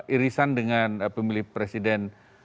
irisan dengan pemilih presiden